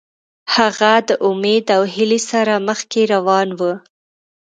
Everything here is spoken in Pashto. هغه د امید او هیلې سره مخکې روان و.